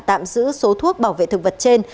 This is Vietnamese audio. tạm giữ số thuốc bảo vệ thực vật trên